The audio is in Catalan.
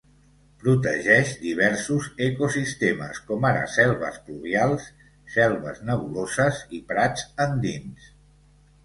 Protegeix diversos ecosistemes com ara selves pluvials, selves nebuloses i prats andins.